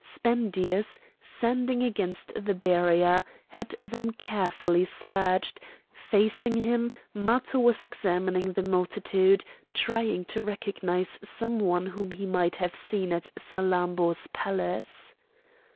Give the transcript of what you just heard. Spendius, standing against the barrier, had them carefully searched; facing him Matho was examining the multitude, trying to recognise some one whom he might have seen at Salammbô's palace.